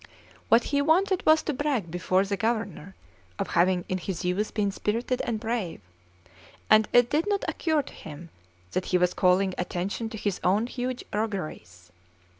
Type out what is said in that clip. What he wanted was to brag before the Governor of having in his youth been spirited and brave; and it did not occur to him that he was calling attention to his own huge rogueries.